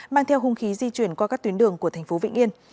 mang theo hung khí di chuyển qua các tuyến đường của tp hcm